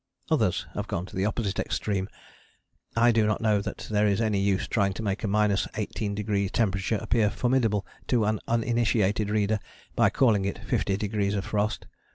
Others have gone to the opposite extreme. I do not know that there is any use in trying to make a 18° temperature appear formidable to an uninitiated reader by calling it fifty degrees of frost.